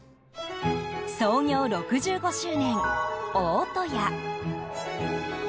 創業６５周年、大戸屋。